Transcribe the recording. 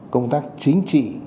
công tác chính trị